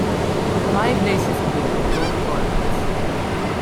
Five nations competed in both tournaments.